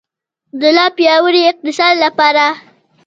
د لا پیاوړي اقتصاد لپاره.